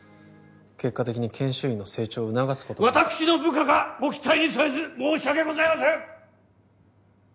結果的に研修医の成長を促すことに私の部下がご期待に沿えず申し訳ございません！